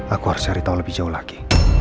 aku harus cari tahu lebih jauh lagi